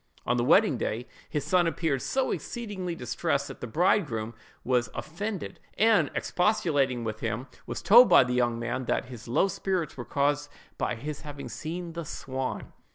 On the wedding day, his son appeared so exceedingly distressed, that the bridegroom was offended, and, expostulating with him, was told by the young man that his low spirits were caused by his having seen the swan.